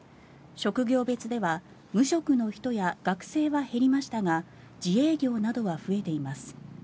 職業別では無職の人や学生は減りましたが自営業などは増えています。